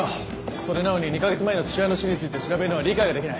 それなのに２カ月前の父親の死について調べるのは理解ができない。